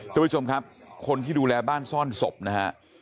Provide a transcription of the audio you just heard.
ทุกผู้ชมครับคนที่ดูแลบ้านซ่อนศพนะฮะ